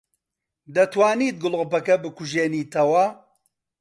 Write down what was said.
دەتوانیت گڵۆپەکە بکوژێنیتەوە؟